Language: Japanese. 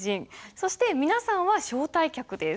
そして皆さんは招待客です。